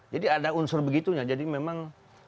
jadi ada unsur begitunya jadi memang